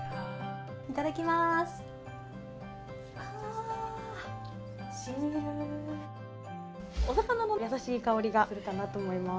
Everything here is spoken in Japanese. いただきます。